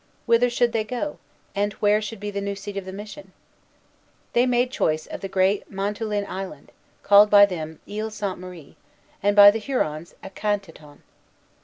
Whither should they go, and where should be the new seat of the mission? They made choice of the Grand Manitoulin Island, called by them Isle Sainte Marie, and by the Hurons Ekaentoton.